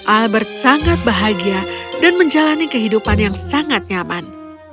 albert sangat bahagia dan menjalani kehidupan yang sangat nyaman